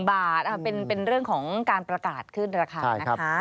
บาทเป็นเรื่องของการประกาศขึ้นราคานะคะ